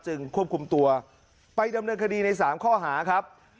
ควบคุมตัวไปดำเนินคดีใน๓ข้อหาครับ